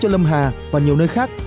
cho lâm hà và nhiều nơi khác